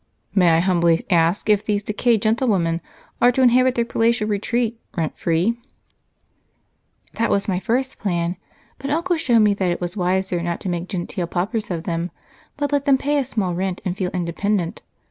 "May I humbly ask if these decayed gentlewomen are to inhabit their palatial retreat rent free?" "That was my first plan, but Uncle showed me that it was wiser not make genteel paupers of them, but let them pay a small rent and feel independent.